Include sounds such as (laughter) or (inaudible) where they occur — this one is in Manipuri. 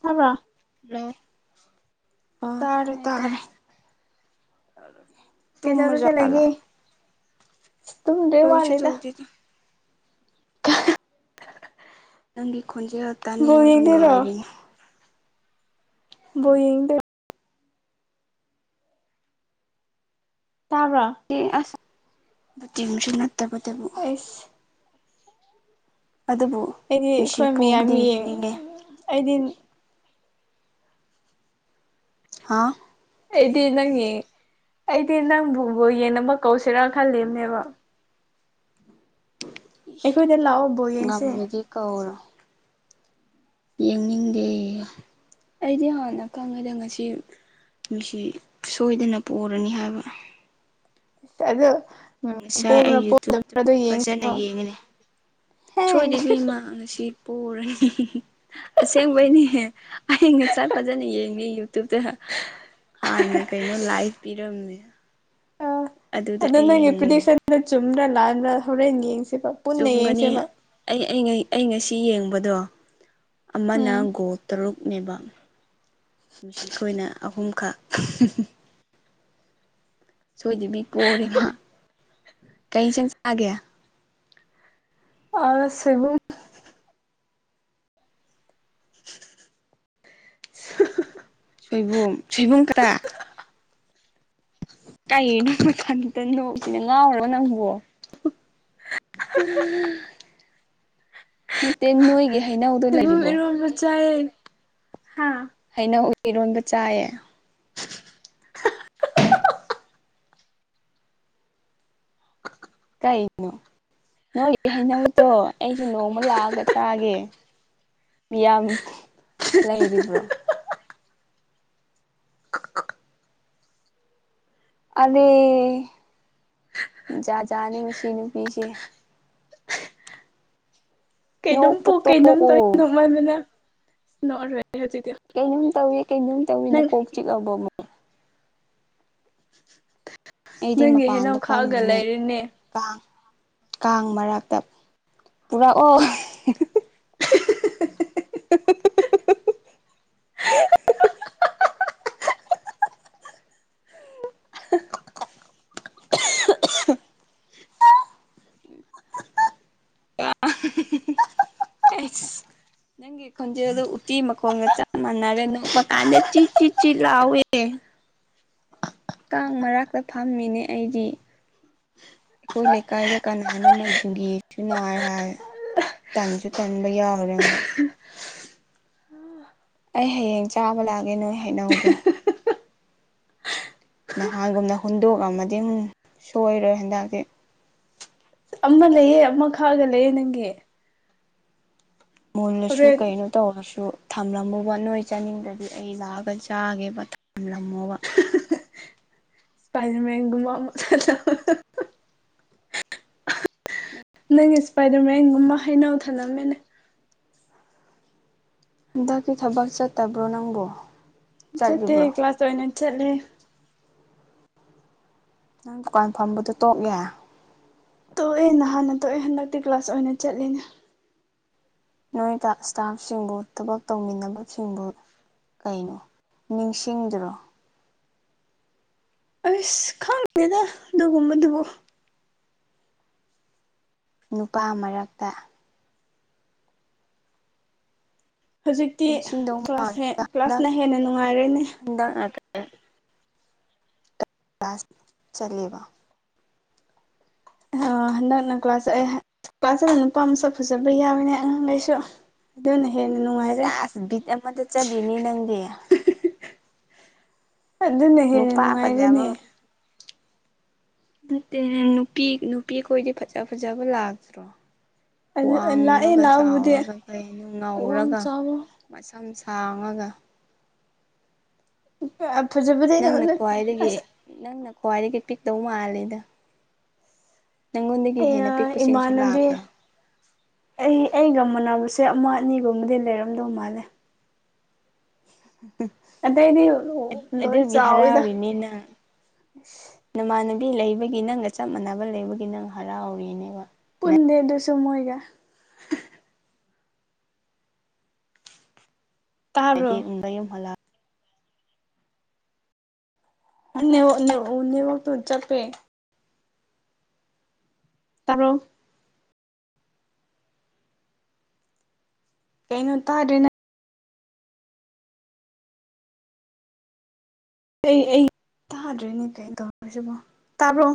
ꯇꯥꯕ꯭ꯔ ꯍꯂꯣ ꯑꯣ ꯇꯥꯔꯦ ꯇꯥꯏ ꯇꯥꯏ ꯇꯥꯔꯦ ꯇꯨꯝꯃꯖꯥꯠꯂ ꯇꯨꯝꯗꯦ ꯋꯥꯠꯂꯤꯗ ꯇꯧꯗꯦꯗ ꯀ ꯅꯪꯒꯤ ꯈꯣꯟꯖꯦꯜ ꯕꯣꯜ ꯇꯥꯅꯤꯡꯉꯒ ꯌꯦꯡꯗꯣꯏꯔꯣ ꯉꯥꯏꯔꯤꯅꯦ ꯕꯣꯏꯪꯗ ꯇꯥꯕ꯭ꯔꯥ ꯑ ꯑꯁ ꯕꯇꯦꯡꯁꯨ ꯅꯠꯇꯕꯗꯕꯨ ꯍ ꯑꯗꯨꯕꯨ ꯑꯩꯗꯤ ꯃꯁꯤ ꯑꯩꯈꯣꯏ ꯃꯌꯥꯝ ꯄꯣꯕꯗꯤ ꯌꯦꯡ ꯌꯦꯡꯅꯤꯡꯉꯦ ꯑꯩꯗꯤ ꯍꯥꯥ ꯑꯩꯗꯤ ꯅꯪ ꯑꯩꯗꯤ ꯅꯪꯕꯨꯣꯕꯣ ꯌꯦꯟ ꯑꯃ ꯀꯧꯁꯤꯔꯥ ꯈꯜꯂꯤꯕꯅꯦꯕ ꯑꯩꯈꯣꯏꯗ ꯂꯥꯛꯑꯣ ꯕꯣꯜ ꯌꯦꯡꯁꯦ ꯉꯝꯃꯗꯤ ꯀꯧꯔꯣ ꯌꯦꯡꯅꯤꯡꯗꯦ ꯑꯩꯗꯤ ꯍꯥꯟꯅ ꯈꯪꯉꯦꯗ ꯉꯁꯤ ꯉꯁꯤ ꯁꯣꯏꯗꯅ ꯄꯨꯔꯅꯤ ꯍꯥꯏꯕ ꯑꯗꯨ ꯎꯝ ꯉꯁꯥꯏ ꯄꯣꯕ꯭ꯔꯥ ꯑꯩ ꯌꯨꯇꯨꯕꯇ ꯄꯣꯗꯕ꯭ꯔꯥ ꯐꯖꯅ ꯌꯦꯡꯁꯦꯕ ꯌꯦꯡꯉꯤꯅꯦ ꯍꯦ ꯁꯣꯏꯗꯕꯤ ꯃꯥ ꯉꯁꯤ ꯄꯨꯔꯅꯤ ꯑꯁꯦꯡꯕꯩꯅꯤꯍꯦ ꯑꯩ ꯉꯁꯥꯏ ꯐꯖꯅ ꯌꯦꯡꯉꯤ ꯌꯨꯇꯨꯕꯇ ꯍꯥꯟꯅ ꯀꯩꯅꯣ ꯂꯥꯏꯐ ꯄꯤꯔꯝꯃꯦ ꯑꯗꯨꯗ ꯑꯗꯨ ꯑꯩ ꯅꯪꯒꯤ ꯌꯦꯡꯂꯦ ꯄ꯭ꯔꯤꯗꯤꯛꯁꯟꯗ ꯆꯨꯝꯕ꯭ꯔꯥ ꯂꯥꯟꯕ꯭ꯔꯥ ꯍꯧꯔꯦꯟ ꯌꯦꯡꯁꯦꯕ ꯄꯨꯟꯅ ꯆꯨꯝꯒꯅꯤ ꯌꯦꯡꯁꯦꯕ ꯑꯩ ꯑꯩ ꯑꯩ ꯉꯁꯤ ꯌꯦꯡꯕꯗꯣ ꯑꯃ ꯅ ꯎꯝ ꯒꯣꯜ ꯇꯔꯨꯛ ꯅꯦꯕ ꯃꯁꯤ ꯑꯩꯈꯣꯏꯅ ꯑꯍꯨꯝꯈꯛ ꯁꯣꯏꯗꯕꯤ ꯄꯣꯔꯦꯃ ꯀꯩꯁꯪ ꯆꯥꯒꯦ ꯑ ꯁꯤꯕꯨꯨꯡ (inaudible) ꯁꯣꯏꯕꯨꯝ ꯁꯣꯏꯕꯨꯝ ꯀꯔꯌꯥ ꯀꯅꯣ ꯃꯊꯟꯇ ꯅꯣꯛꯁꯤꯅ ꯉꯥꯎꯔꯣ ꯅꯪꯕꯨꯣ ꯅꯠꯇꯦ ꯅꯣꯏꯒ ꯁꯤꯕꯨꯨꯝ ꯏꯔ ꯃꯖꯥꯏ ꯍꯥ ꯍꯥꯏꯅ ꯎꯔꯣꯟꯕ ꯆꯥꯏꯌꯦ ꯀꯩꯅꯣ ꯅꯣꯏꯒꯤ ꯍꯩꯅꯧꯗꯣ ꯑꯩꯁꯨ ꯅꯣꯡꯃ ꯂꯥꯛꯑꯒ ꯆꯥꯒꯦ ꯃꯤꯌꯥꯝ ꯂꯩꯔꯤꯕ꯭ꯔꯣ ꯑꯗ ꯖꯥꯖꯥꯠꯅꯦ ꯃꯁꯤ ꯅꯨꯄꯤꯁꯦ ꯀꯩꯅꯝ ꯅꯣꯛꯄ ꯄꯣꯛ ꯀꯩꯅꯝ ꯇꯧ ꯇꯣꯛꯎ ꯅꯣꯛꯃꯟꯕꯅ ꯅꯣꯛꯑꯔꯣꯏꯦ ꯍꯧꯖꯤꯛꯇꯤ ꯀꯩꯅꯣꯝ ꯇꯧꯏꯤ ꯀꯩꯅꯣꯝ ꯇꯧꯏꯤꯅ ꯅꯪ ꯀꯣꯛ ꯆꯤꯛꯂꯕꯣ ꯑꯃꯣ ꯑꯩꯗꯤ ꯅꯪꯒꯤ ꯍꯦꯅꯥꯎ ꯃꯄꯥꯟꯗ ꯈꯥꯛꯑꯒ ꯐꯝꯃꯤꯅꯦ ꯂꯩꯔꯤꯅꯦ ꯀꯥꯡ ꯀꯥꯡ ꯃꯔꯛꯇ ꯄꯨꯔꯛ ꯑꯣ (inaudible) ꯑꯩꯁ ꯅꯪꯒꯤ ꯈꯣꯟꯖꯦꯜꯗ ꯎꯇꯤ ꯃꯈꯣꯡꯒ ꯆꯞ ꯃꯥꯟꯅꯔꯦ ꯅꯣꯛꯄ ꯀꯥꯟꯗ ꯆꯤ ꯆꯤ ꯆꯤ ꯂꯥꯎꯋꯦ ꯀꯥꯡ ꯃꯔꯛꯇ ꯐꯝꯃꯤꯅꯦ ꯑꯩꯗꯤ ꯑꯩꯈꯣꯏ ꯂꯩꯀꯥꯏꯗ ꯀꯅꯥꯅ ꯃꯩꯗꯨꯨꯡꯒꯤꯁꯨ ꯅꯥꯥꯏ ꯍꯥꯏ ꯇꯟꯁꯨ ꯇꯟꯕ ꯌꯥꯎꯔꯅ ꯑꯩ ꯍꯌꯦꯡ ꯆꯥꯕ ꯂꯥꯛꯑꯒꯦ ꯅꯣꯏ ꯍꯩꯅꯧꯗꯣ ꯅꯍꯥꯟꯒꯨꯝꯅ ꯍꯨꯟꯗꯣꯛꯑꯃꯗꯤ ꯑꯃꯨ ꯁꯣꯏꯔꯣꯏ ꯍꯟꯗꯥꯛꯁꯤ ꯑꯃ ꯂꯩꯑ ꯑꯃ ꯈꯛꯑꯒ ꯂꯩꯌꯦꯦ ꯅꯪꯒꯤ ꯃꯨꯜꯂꯁꯨ ꯍꯣꯔꯦꯟ ꯀꯩꯅꯣ ꯇꯧꯔꯁꯨ ꯊꯝꯂꯝꯃꯣꯕ ꯅꯣꯏ ꯆꯥꯅꯤꯡꯗꯗꯤ ꯑꯩ ꯂꯥꯛꯑꯒ ꯆꯥꯒꯦꯕ ꯊꯝꯂꯝꯃꯣꯕ ꯁꯄꯥꯏꯁꯤ ꯃꯒꯣ ꯃꯁꯂꯥ ꯅꯪ ꯏꯁꯄꯥꯏꯗꯔꯃꯦꯦꯟꯒꯨꯝꯕ ꯍꯩꯅꯎ ꯊꯂꯝꯃꯦꯅꯦ ꯍꯟꯗꯛꯀꯤ ꯊꯕꯛ ꯆꯠꯇꯕ꯭ꯔꯣ ꯅꯪꯕꯨꯣ ꯆꯠꯇ ꯀ꯭ꯂꯥꯁ ꯑꯣꯏꯅ ꯆꯠꯂꯦ ꯅꯪ ꯗꯨꯀꯥꯟ ꯐꯝꯕꯗꯣ ꯇꯣꯛꯑꯦ ꯇꯣꯛꯑꯦ ꯅꯍꯥꯟꯅ ꯇꯣꯛꯑꯦ ꯍꯟꯗꯛꯇꯤ ꯀ꯭ꯂꯥꯁ ꯑꯣꯏꯅ ꯆꯠꯂꯤꯅꯦ ꯅꯣꯏꯗ ꯏꯁꯇꯥꯐꯁꯤꯡꯕꯨ ꯊꯕꯛ ꯇꯧꯃꯤꯟꯅꯕꯁꯤꯡꯕꯨ ꯀꯩꯅꯣ ꯅꯤꯡꯁꯤꯡꯗ꯭ꯔꯣ꯫ ꯑꯁ ꯈꯪꯗꯦꯗ ꯑꯗꯨꯒꯨꯝꯕꯗꯨꯕꯨ꯫ ꯅꯨꯄꯥ ꯃꯔꯛꯇ꯫ ꯍꯧꯖꯤꯛꯇꯤ ꯅꯤꯡꯁꯤꯡꯗꯧ ꯀ꯭ꯂꯥꯁ ꯍꯦ ꯃꯥꯟꯗꯦꯗ ꯍꯟꯗꯛ ꯀ꯭ꯂꯥꯁꯅ ꯍꯦꯟꯅ ꯅꯨꯡꯉꯥꯏꯔꯦꯅꯦ꯫ (unintelligible) ꯀ꯭ꯂꯥꯁ ꯆꯠꯂꯦꯕ꯫ ꯑ ꯍꯟꯗꯛꯅ ꯀ꯭ꯂꯥꯁ ꯆꯠꯂꯦ ꯀ꯭ꯂꯥꯁ ꯆꯠꯂꯅ ꯅꯨꯄꯥ ꯃꯁꯛ ꯐꯖꯕ ꯌꯥꯎꯋꯦꯅꯦ ꯑꯉꯥꯡꯈꯩꯁꯨ꯫ ꯑꯗꯨꯅ ꯍꯦꯟꯅ ꯅꯨ ꯆꯥꯁ ꯕꯤꯠ ꯑꯃꯗ ꯆꯠꯂꯤꯅꯦ ꯅꯪꯗꯤ ꯑꯗꯨꯅꯦ ꯍꯦꯟꯅ ꯅꯨꯄꯥ ꯐꯖꯕ ꯅꯨꯡꯉꯥꯏꯔꯦꯅꯦ ꯅꯠꯇꯦꯅꯦ ꯅꯨꯄꯤ ꯅꯨꯄꯤꯈꯣꯏꯗꯤ ꯐꯖ ꯐꯖꯕ ꯂꯥꯛꯇ꯭ꯔꯣ ꯑꯗꯨ ꯂꯥꯛꯑꯦ ꯋꯥꯡꯉꯒ ꯂꯥꯛꯑꯕꯨꯗꯤ ꯆꯥꯎꯔꯒ ꯀꯩꯅꯣ ꯋꯥꯡ ꯉꯧꯔꯒ ꯆꯥꯎꯕ ꯃꯁꯝ ꯁꯥꯡꯉꯒ ꯐꯖꯕ ꯅꯪꯅ ꯈ꯭ꯋꯥꯏꯗꯒꯤ ꯅꯪꯅ ꯈ꯭ꯋꯥꯏꯗꯒꯤ ꯄꯤꯛꯇꯧ ꯃꯥꯜꯂꯦꯗ ꯅꯪꯉꯣꯟꯗꯒꯤ ꯍꯦꯟꯅ ꯄꯤꯛꯄꯁꯤꯡꯁꯨ ꯏꯃꯥꯟꯅꯕꯤ ꯂꯥꯛꯑꯕ꯭ꯔꯥ ꯑꯩ ꯑꯩꯒ ꯃꯥꯟꯅꯕꯁꯦ ꯑꯃ ꯑꯅꯤꯒꯨꯝꯕꯗꯤ ꯂꯩꯔꯝꯗꯧ ꯃꯥꯜꯂꯦ ꯑꯗꯩꯗꯤ ꯂꯣꯏ ꯑꯗꯨꯗꯤ ꯆꯥꯎꯋꯤꯗ ꯍꯔꯥꯎꯔꯤꯅꯤ ꯅꯪ ꯅꯃꯥꯟꯅꯕꯤ ꯂꯩꯕꯒꯤ ꯅꯪꯒ ꯆꯞ ꯃꯥꯟꯅꯕ ꯂꯩꯕꯒꯤ ꯅꯪ ꯍꯔꯥꯎꯔꯤꯅꯦꯕ꯫ ꯄꯨꯟꯗꯦ ꯑꯗꯨꯁꯨ ꯃꯣꯏꯒ꯫ ꯇꯥꯕ꯭ꯔꯣ ꯗꯗꯤ (unintelligible) ꯍꯂꯥ꯫ (unintelligible) ꯅꯦꯠꯋꯛꯇꯣ ꯆꯄꯦ꯫ ꯇꯥꯕ꯭ꯔꯣ꯫ ꯀꯩꯅꯣ ꯇꯥꯗ꯭ꯔꯤꯅ꯫ ꯀ ꯑꯩ ꯇꯥꯗ꯭ꯔꯦꯅꯦ ꯀꯩ ꯇꯧꯔꯁꯤꯕꯣ ꯇꯥꯕ꯭ꯔꯣ꯫